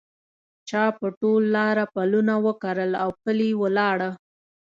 چا په ټول لاره پلونه وکرل اوپلي ولاړه